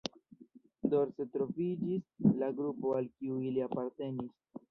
Dorse troviĝis la grupo al kiu ili apartenis.